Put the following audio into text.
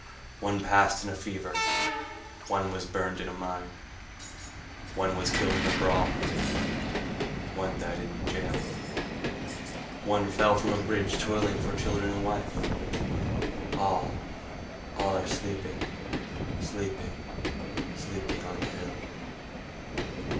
One passed in a fever, One was burned in a mine, One was killed in a brawl, One died in a jail, One fell from a bridge toiling for children and wife— All, all are sleeping, sleeping, sleeping on the hill.